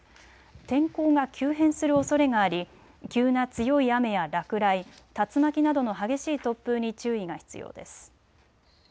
天候が急変するおそれがあり急な強い雨や落雷、竜巻などの激しい突風に注意が必要です。